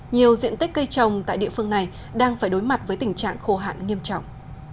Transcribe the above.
nhiều diện tích cây trồng tại địa phương này đang phải đối mặt với tình trạng khô hạn nghiêm trọng